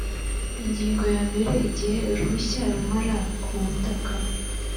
ingingo ya mbere igihe uruhushya rumara kubutaka